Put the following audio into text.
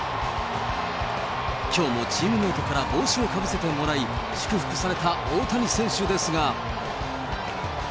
きょうもチームメートから帽子をかぶせてもらい、祝福された大谷選手ですが。